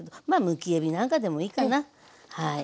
むきえびなんかでもいいかなはい。